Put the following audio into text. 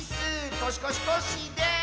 コシコシコッシーです！